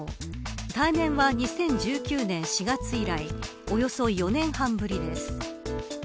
対面は２０１９年４月以来およそ４年半ぶりです。